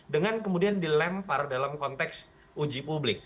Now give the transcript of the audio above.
dengan kemudian dilempar dalam konteks uji publik